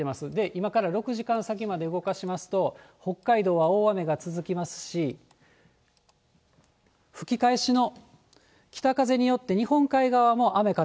今から６時間先まで動かしますと、北海道は大雨が続きますし、吹き返しの北風によって、日本海側も雨風、